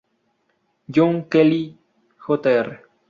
John Kelly, Jr.